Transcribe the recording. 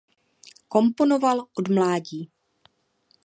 Komponoval od mládí.